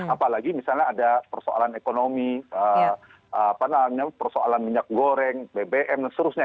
apalagi misalnya ada persoalan ekonomi persoalan minyak goreng bbm dan seterusnya